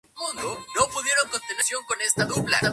Huevo, Huevo, Huevo".